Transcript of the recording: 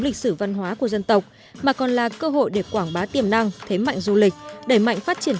lịch sử văn hóa của dân tộc mà còn là cơ hội để quảng bá tiềm năng thế mạnh du lịch đẩy mạnh phát triển